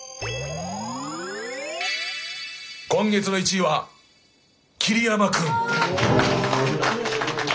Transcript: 今月の１位は桐山君。